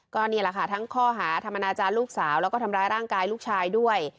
ก็นี่แหละค่ะทั้งข้อหาธรรมนาจารย์ลูกสาวแล้วก็ทำร้ายร่างกายลูกชายด้วย